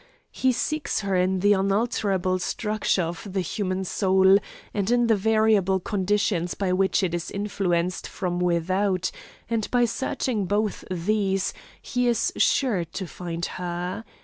He seeks her in the unalterable structure of the human soul, and in the variable conditions by which it is influenced from without, and by searching both these he is sure to find her.